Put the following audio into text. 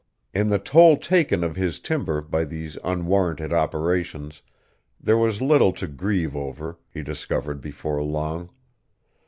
In the toll taken of his timber by these unwarranted operations there was little to grieve over, he discovered before long.